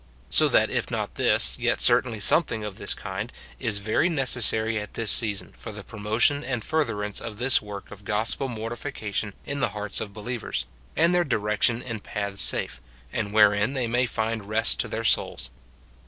So that if not this, yet certainly something of this kind, ia very necessary at this season for the promotion and furtherance of this work of gospel mortification in the hearts of believers, and their direc tion in paths safe, and wherein they may find rest to their souls.